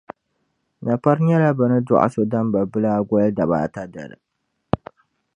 Napari nyɛla bɛ ni dɔɣi so Dambabilaa gɔli dabaa ata dali.